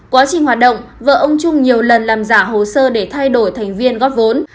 quá trình hoạt động vợ ông trung nhiều lần làm giả hồ sơ để thay đổi thành viên góp vốn